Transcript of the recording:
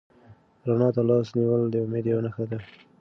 رڼا ته لاس نیول د امید یوه نښه ده.